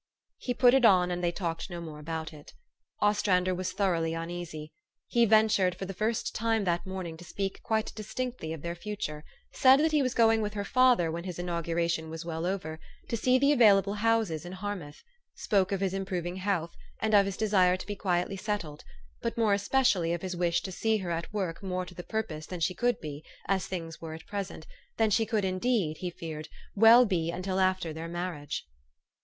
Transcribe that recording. He put it on ; and they talked no more about it. Ostrander was thoroughly uneasy. He ventured for the first time, that morning, to speak quite distinctly of their future ; said that he was going with her father, when his inauguration was well over, to see the available houses in Harmouth ; spoke of his im proving health, and of his desire to be quietly set tled ; but more especially of his wish to see her at work more to the purpose than she could be, as things were at present, than she could indeed, he feared, well be until after their marriage.